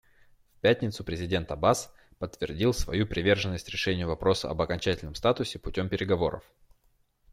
В пятницу президент Аббас подтвердил свою приверженность решению вопроса об окончательном статусе путем переговоров.